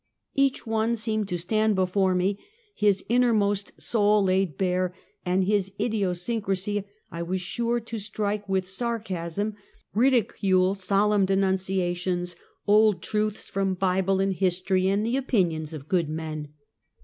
Each one seemed to stand before me, his innermost soul laid bare, and his idiosyncrasy I was sure to strike with sarcasm, ridi cule solemn denunciations, old truths from Bible and 94 Half a Century. history and the opinions of good men.